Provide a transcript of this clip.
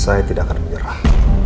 saya tidak akan menyerah